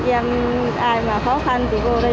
thì người ta giúp đỡ phát bánh mì miễn phí bữa sáng